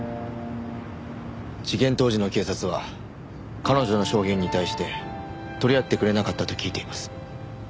事件当時の警察は彼女の証言に対して取り合ってくれなかったと聞いています。